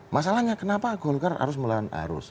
masalahnya kenapa golkar harus melawan arus